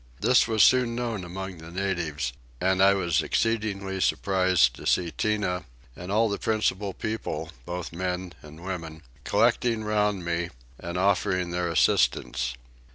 This was soon known among the natives and I was exceedingly surprised to see Tinah and all the principal people, both men and women, collecting round me and offering their assistance.